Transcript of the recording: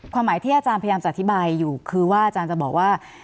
หมายที่อาจารย์พยายามจะอธิบายอยู่คือว่าอาจารย์จะบอกว่า